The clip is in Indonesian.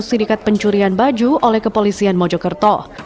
sindikat pencurian baju oleh kepolisian mojokerto